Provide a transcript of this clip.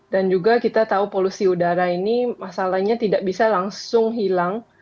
dan juga kita tahu polusi udara ini masalahnya tidak bisa langsung hilang